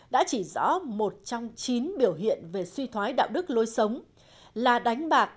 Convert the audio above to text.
đã chỉ rõ một trong chín biểu hiện về suy thoái đạo đức lối sống là đánh bạc